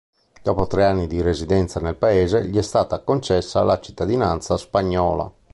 Dopo tre anni di residenza nel paese gli è stata concessa la cittadinanza spagnola.